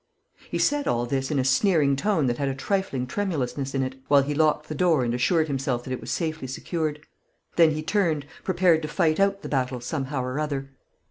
He said all this in a sneering tone that had a trifling tremulousness in it, while he locked the door and assured himself that it was safely secured. Then he turned, prepared to fight out the battle somehow or other.